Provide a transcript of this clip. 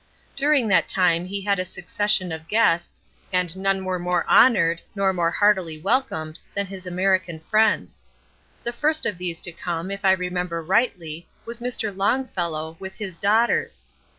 During that time he had a succession of guests, and none were more honored, nor more heartily welcomed, than his American friends. The first of these to come, if I remember rightly, was Mr. Longfellow, with his daughters.